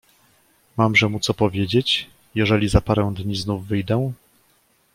"Mamże mu co powiedzieć, jeżeli za parę dni znów wyjdę?“."